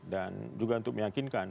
dan juga untuk meyakinkan